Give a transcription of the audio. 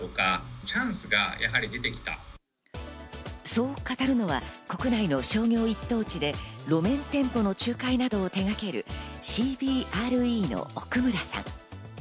そう語るのは国内の商業一等地で路面店舗の仲介などを手がけるＣＢＲＥの奥村さん。